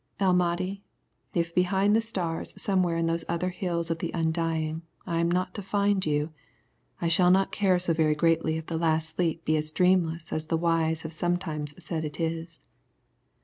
El Mahdi, if beyond the stars somewhere in those other Hills of the Undying I am not to find you, I shall not care so very greatly if the last sleep be as dreamless as the wise have sometimes said it is.